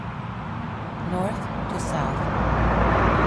"North to South"